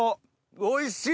おいしい！